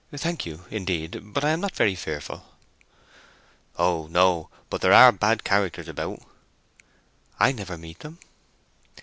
"Thank you, indeed, but I am not very fearful." "Oh no; but there are bad characters about." "I never meet them."